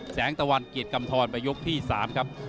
แสงตะวันเกียรติกำทรมายกที่๓ครับ